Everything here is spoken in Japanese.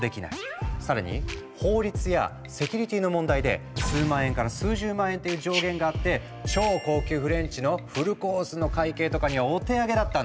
更に法律やセキュリティーの問題で数万円から数十万円っていう上限があって超高級フレンチのフルコースの会計とかにはお手上げだったんだ。